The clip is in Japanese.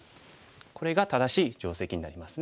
これが正しい定石になりますね。